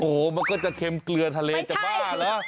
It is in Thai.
โอ้โหมันก็จะเค็มเกลือทะเลจะบ้าเหรอ